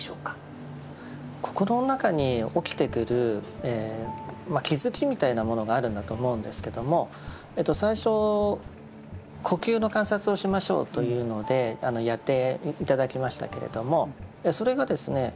心の中に起きてくる気づきみたいなものがあるんだと思うんですけども最初呼吸の観察をしましょうというのでやって頂きましたけれどもそれがですね